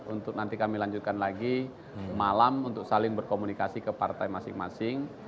untuk nanti kami lanjutkan lagi malam untuk saling berkomunikasi ke partai masing masing